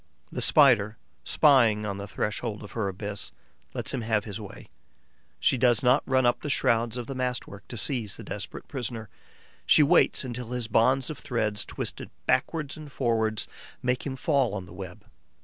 The Spider, spying on the threshold of her abyss, lets him have his way. She does not run up the shrouds of the mast work to seize the desperate prisoner; she waits until his bonds of threads, twisted backwards and forwards, make him fall on the web.